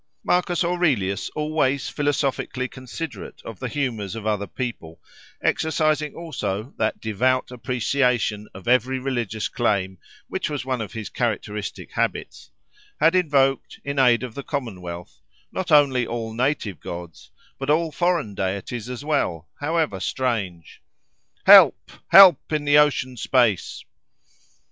Marcus Aurelius, always philosophically considerate of the humours of other people, exercising also that devout appreciation of every religious claim which was one of his characteristic habits, had invoked, in aid of the commonwealth, not only all native gods, but all foreign deities as well, however strange.—"Help! Help! in the ocean space!"